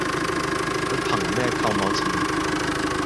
佢憑乜嘢扣我錢